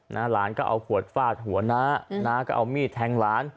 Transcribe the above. น้าร้านก็เอาขวดฟาดหัวนะนะก็เอามีดแทงหลาน